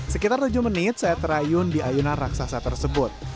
sekitar tujuh menit saya terayun di ayunan raksasa tersebut